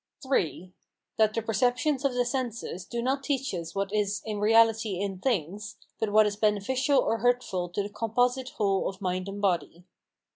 III. That the perceptions of the senses do not teach us what is in reality in things, but what is beneficial of hurtful to the composite whole of mind and body.